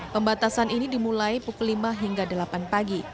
pembatasan ini dimulai pukul lima hingga delapan pagi